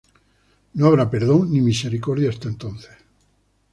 No habrá perdón ni misericordia hasta entonces.